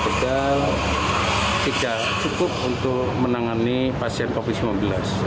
tegal tidak cukup untuk menangani pasien covid sembilan belas